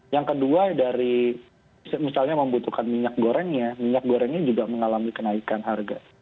yang kedua dari misalnya membutuhkan minyak gorengnya minyak gorengnya juga mengalami kenaikan harga